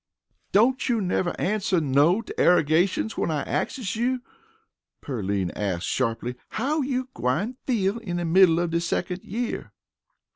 "Don't you never answer no 'terrogations when I axes you?" Pearline asked sharply. "How you gwine feel in de middle of de secont year?"